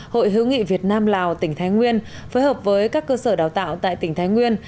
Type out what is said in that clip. hội hữu nghị việt nam lào tỉnh thái nguyên phối hợp với các cơ sở đào tạo tại tỉnh thái nguyên